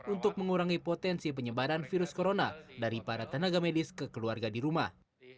untuk mengurangi potensi penyebaran virus corona dari para tenaga medis ke keluarga di rumah